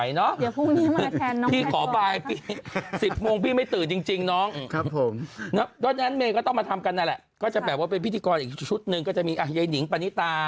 สวัสดีครับข้าวใส่ไข่สดใหม่ให้เยอะ